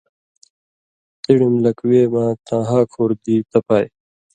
تِڑِم لک وے مہ تاں ہا کُھور دی تپائ۔